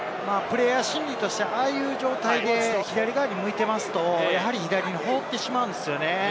プレーヤー心理として、ああいう状態で左側に向いていると、やはり左に放ってしまうんですよね。